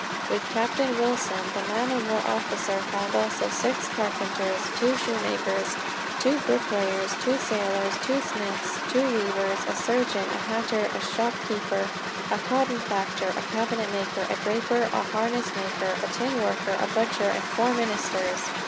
With Captain Wilson, the man o' war officer found also six carpenters, two shoemakers, two bricklayers, two sailors, two smiths, two weavers, a surgeon, a hatter, a shopkeeper, a cotton factor, a cabinet maker, a draper, a harness maker, a tin worker, a butcher and four ministers.